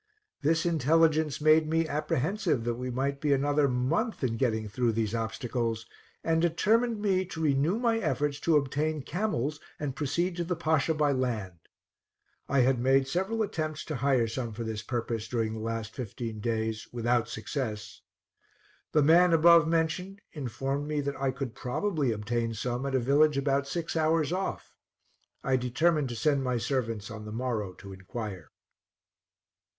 This intelligence made me apprehensive that we might be another month in getting through these obstacles, and determined me to renew my efforts to obtain camels and proceed to the Pasha by land. I had made several attempts to hire some for this purpose, during the last fifteen days, without success. The man above mentioned informed me that I could probably obtain some at a village about six hours off. I determined to send my servants on the morrow to inquire.